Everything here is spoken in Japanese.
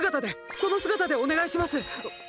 その姿でお願いします！